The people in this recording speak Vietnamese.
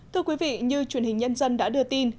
thưa quý vị như truyền hình nhân dân đã đưa tin